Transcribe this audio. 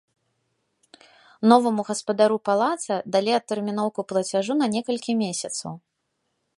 Новаму гаспадару палаца далі адтэрміноўку плацяжу на некалькі месяцаў.